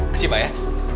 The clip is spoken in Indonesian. kasih pak ya